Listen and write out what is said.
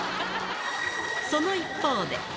その一方で。